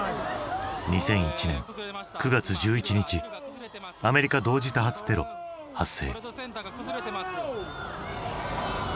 ２００１年９月１１日アメリカ同時多発テロ発生。